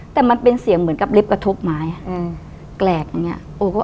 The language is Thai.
แต่มันเป็นเสียงเหมือนกับเล็บกระทบไม้อืมแกรกอย่างเงี้ยโอ้ก็